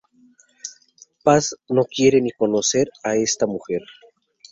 Paz no quiere ni conocer a esta mujer.